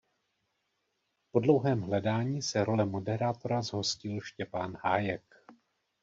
Po dlouhém hledání se role moderátora zhostil Štěpán Hájek.